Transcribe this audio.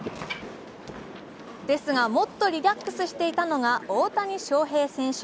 ですが、もっとリラックスしていたのが大谷翔平選手。